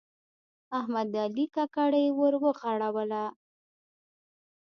احمد د علي ککرۍ ور ورغړوله.